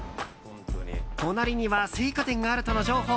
隣には青果店があるとの情報。